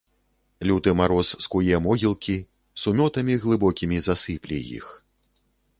Люты мароз скуе могілкі, сумётамі глыбокімі засыпле іх.